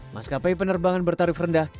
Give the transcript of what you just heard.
maskapai penerbangan bertarif rendah